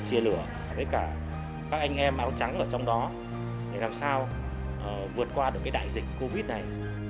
chia lửa với cả các anh em áo trắng ở trong đó để làm sao vượt qua được cái đại dịch covid này